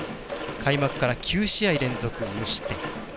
開幕から９試合連続無失点。